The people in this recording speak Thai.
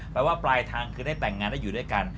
แปลว่าปลายทางคือได้แต่งงานได้อยู่ด้วยกัน